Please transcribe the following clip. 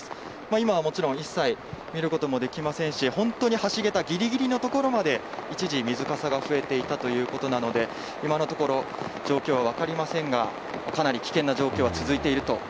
今はもちろん、一切見ることもできませんし、本当に橋桁ぎりぎりの所まで、一時、水かさが増えていたということなので、今のところ、状況は分かりませんが、かなり危険な状況